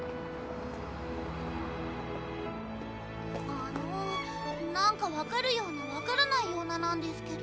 あの何か分かるような分からないようななんですけど。